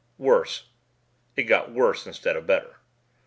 Worse, it got worse instead of better.